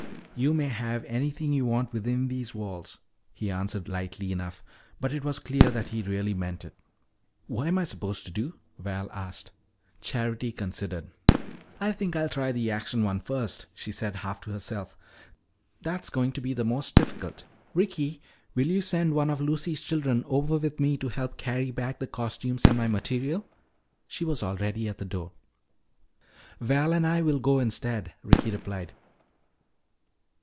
"You may have anything you want within these walls," he answered lightly enough, but it was clear that he really meant it. "What am I supposed to do?" Val asked. Charity considered. "I think I'll try the action one first," she said half to herself. "That's going to be the most difficult. Ricky, will you send one of Lucy's children over with me to help carry back the costumes and my material " She was already at the door. "Val and I will go instead," Ricky replied.